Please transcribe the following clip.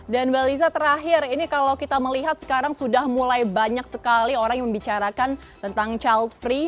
dan mbak liza terakhir ini kalau kita melihat sekarang sudah mulai banyak sekali orang yang membicarakan tentang charles free